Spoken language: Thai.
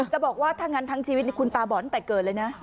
บอกว่าถ้างั้นทั้งชีวิตคุณตาบอดตั้งแต่เกิดเลยนะ